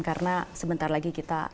karena sebentar lagi kita